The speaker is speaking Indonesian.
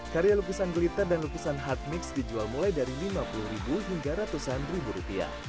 karya lukisan glitter dan lukisan hard mix dijual mulai dari indonesia